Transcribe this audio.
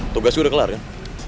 tugas gue udah kelar kan